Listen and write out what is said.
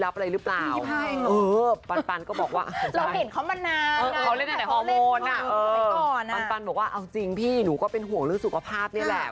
ปันบอกว่าเอาจริงพี่หนูก็เป็นห่วงเรื่องสุขภาพนี่แหละ